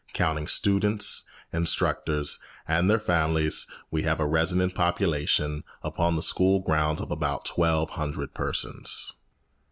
Counting students, instructors, and their families, we have a resident population upon the school grounds of about twelve hundred persons.